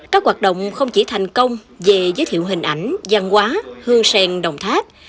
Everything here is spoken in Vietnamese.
các hoạt động không chỉ thành công về giới thiệu hình ảnh gian hóa hương sen đồng tháp